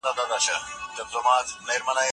هغه استاد تېر کال تقاعد سو.